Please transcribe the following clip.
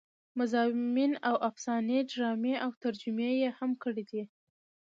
مضامين او افسانې ډرامې او ترجمې يې هم کړې دي